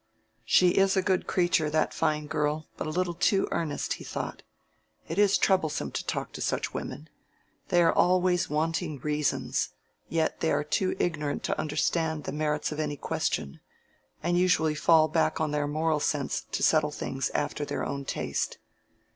"She is a good creature—that fine girl—but a little too earnest," he thought. "It is troublesome to talk to such women. They are always wanting reasons, yet they are too ignorant to understand the merits of any question, and usually fall back on their moral sense to settle things after their own taste."